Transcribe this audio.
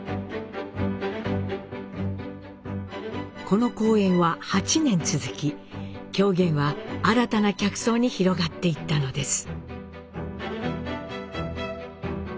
この公演は８年続き狂言は新たな客層に広がっていったのです。